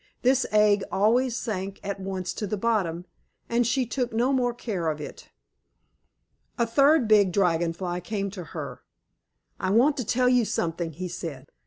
This egg always sank at once to the bottom, and she took no more care of it. A third Big Dragon Fly came up to her. "I want to tell you something," he said.